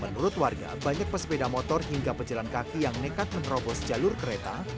menurut warga banyak pesepeda motor hingga pejalan kaki yang nekat menerobos jalur kereta